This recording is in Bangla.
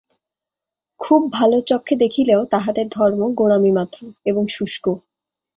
খুব ভাল চক্ষে দেখিলেও তাহাদের ধর্ম গোঁড়ামি মাত্র, এবং শুষ্ক।